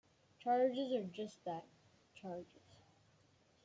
Charges are just that: charges.